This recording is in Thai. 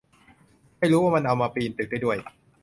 ไม่รู้ว่ามันเอามาปีนตึกได้ด้วย